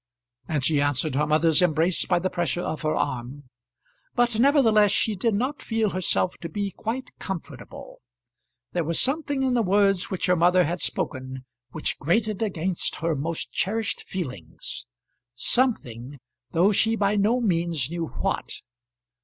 And she answered her mother's embrace by the pressure of her arm. But nevertheless she did not feel herself to be quite comfortable. There was something in the words which her mother had spoken which grated against her most cherished feelings; something, though she by no means knew what.